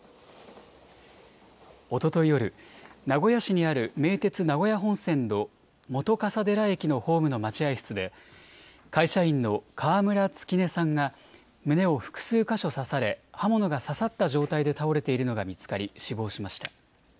おととい夜、名古屋市にある名鉄名古屋本線の本笠寺駅のホームの待合室で会社員の川村月音さんが胸を複数か所刺され刃物が刺さった状態で倒れているのが見つかり死亡しました。